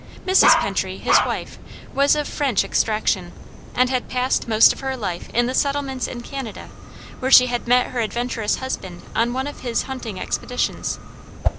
Mrs. Pentry, his wife, was of French extraction, and had passed most of her life in the settlements in Canada, where she had met her adventurous husband on one of his hunting expeditions.